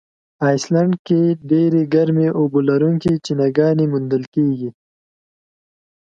آیسلنډ کې ډېرې ګرمي اوبه لرونکي چینهګانې موندل کیږي.